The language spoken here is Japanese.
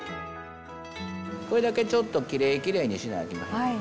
これだけちょっときれいきれいにしなあきまへん。